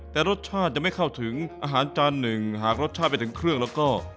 แต่รสชาติยังไม่เข้าถึงอาหารจานหนึ่งหากรสชาติไปถึงเครื่องแล้วก็